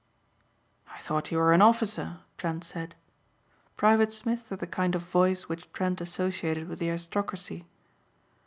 "I thought you were an officer," Trent said. Private Smith had the kind of voice which Trent associated with the aristocracy.